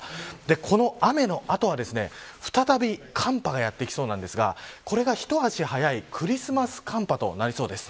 この雨のあとは再び寒波がやってきそうなんですがこれが一足早いクリスマス寒波となりそうです。